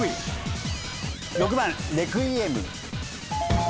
６番レクイエム。